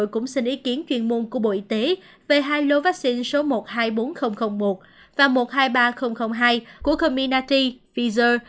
cũng xin ý kiến chuyên môn của bộ y tế về hai lô vaccine số một trăm hai mươi bốn nghìn một và một trăm hai mươi ba nghìn hai của cominati pizer